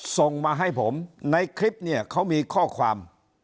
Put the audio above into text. ส่งมาให้ผมในคลิปเนี่ยเขามีข้อความ